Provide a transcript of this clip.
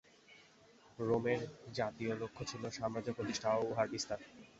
রোমের জাতীয় লক্ষ্য ছিল সাম্রাজ্য-প্রতিষ্ঠা ও উহার বিস্তার।